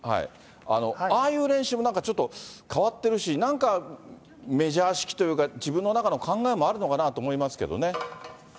ああいう練習もなんかちょっと変わってるし、なんか、メジャー式というか、自分の中の考えもあるのかなと思いますけどね。